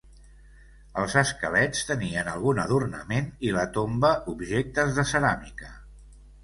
Els esquelets tenien algun adornament i la tomba objectes de ceràmica.